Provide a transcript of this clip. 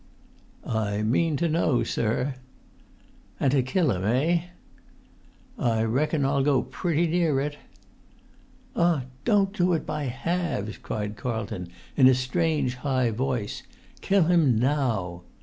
"I mean to know, sir." "And to kill him—eh?" "I reckon I'll go pretty near it." "Ah, don't do it by halves!" cried Carlton in a strange high voice. "Kill him now!"